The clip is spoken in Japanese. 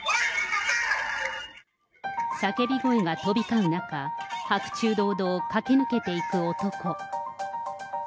叫び声が飛び交う中、白昼堂々、駆け抜けていく男。